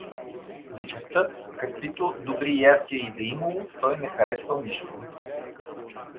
Вечерта, каквито добри ястия и да имало, той не харесвал нищо.